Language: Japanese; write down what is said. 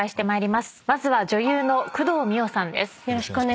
まずは女優の工藤美桜さんです。